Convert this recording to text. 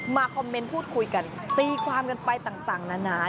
คอมเมนต์พูดคุยกันตีความกันไปต่างนานา